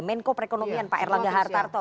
menko perekonomian pak erlangga hartarto